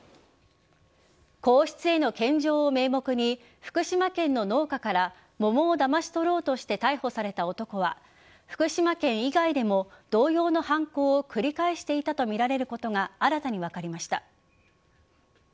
皇室への献上を名目に福島県の農家から桃をだまし取ろうとして逮捕された男は福島県以外でも同様の犯行を繰り返していたとみられることが新たに分かりました。